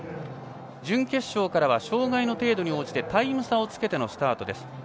準決勝からは障がいの程度に応じてタイム差をつけてのスタートです。